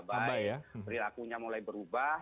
berlakunya mulai berubah